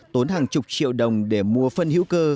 tốn hàng chục triệu đồng để mua phân hữu cơ